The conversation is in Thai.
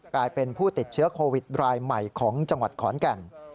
กลายเป็นผู้ติดเชื้อโควิดรายใหม่ของจังหวัดขอนแก่น